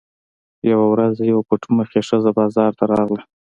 یوه ورځ یوه پټ مخې ښځه بازار ته راغله.